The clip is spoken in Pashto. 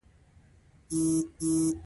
دا د کادرونو روزنه او پراختیا ده.